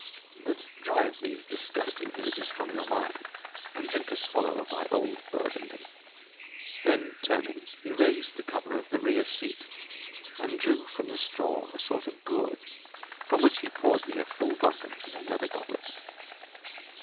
But drive these disgusting images from your mind, and drink a swallow of my old Burgundy." Then turning, he raised the cover of the rear seat, and drew from the straw a sort of gourd from which he poured me a full bumper in a leather goblet.